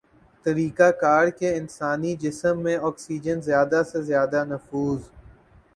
طریقہ کار کے انسانی جسم میں آکسیجن زیادہ سے زیادہ نفوذ